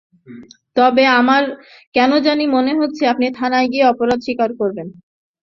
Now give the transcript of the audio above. তবে আমার কেন জানি মনে হচ্ছে, আপনি থানায় গিয়ে অপরাধ স্বীকার করবেন।